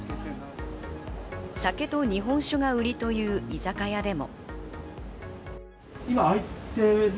酒と日本酒が売りという居酒屋でも。